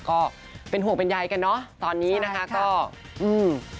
ก็เป็นห่วงเป็นใยกันเนอะตอนนี้นะคะก็อืม